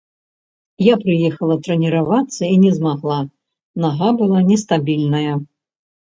Я прыехала трэніравацца і не змагла, нага была нестабільная.